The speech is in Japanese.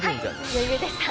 余裕でした？